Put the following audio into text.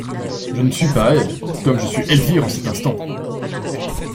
Je ne suis pas elle, comme je suis Elvire en cet instant!